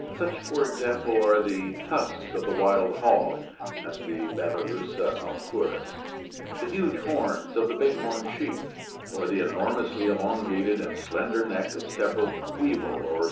Such, for example, are the tusks of the wild hog (Babirussa alfurus), the huge horns of the "big horn" sheep, or the enormously elongated and A B slender neck of several weevil or Flo.